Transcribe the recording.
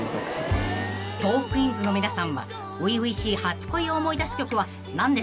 ［トークィーンズの皆さんは初々しい初恋を思い出す曲は何ですか？］